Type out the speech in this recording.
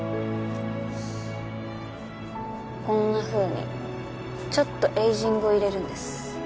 こんなふうにちょっとエイジングを入れるんです。